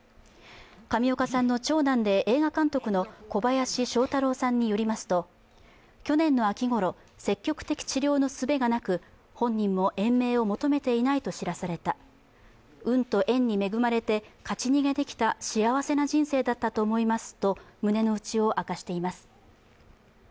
上岡さんの長男で映画監督の小林聖太郎さんによりますと、去年の秋ごろ、積極的治療のすべがなく、本人も延命を求めていないと知らされた、運と縁に恵まれて勝ち逃げできた幸せな人生だったと思いますと胸の内を明かしています。